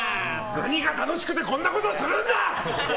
何が楽しくてこんなことをするんだ！